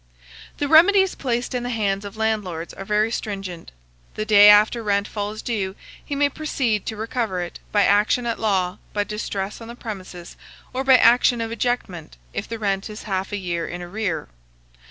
The remedies placed in the hands of landlords are very stringent. The day after rent falls due, he may proceed to recover it, by action at law, by distress on the premises, or by action of ejectment, if the rent is half a year in arrear.